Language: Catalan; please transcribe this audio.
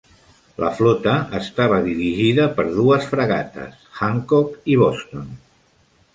La flota estava dirigida per dues fragates, "Hancock" i "Boston".